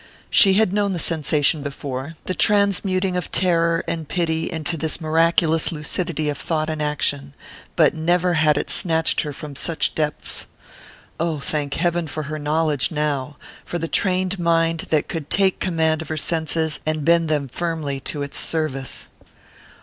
She had known the sensation before the transmuting of terror and pity into this miraculous lucidity of thought and action; but never had it snatched her from such depths. Oh, thank heaven for her knowledge now for the trained mind that could take command of her senses and bend them firmly to its service!